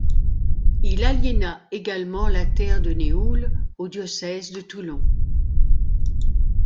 Il aliéna également la terre de Néoules au diocèse de Toulon.